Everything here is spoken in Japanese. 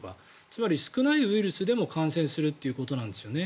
つまり、少ないウイルスでも感染するということなんですね。